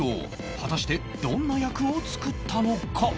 果たしてどんな役を作ったのか？